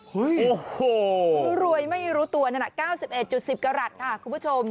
โอ้โหรวยไม่รู้ตัวนั่นน่ะ๙๑๑๐กรัฐค่ะคุณผู้ชม